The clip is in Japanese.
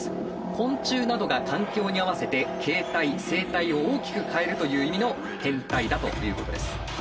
昆虫などが環境に合わせて形態生態を大きく変えるという意味の変態だということです。